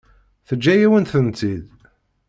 Teǧǧa-yawen-tent-id.